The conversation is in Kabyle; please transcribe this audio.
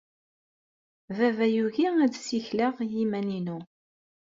Baba yugi ad ssikleɣ i yiman-inu.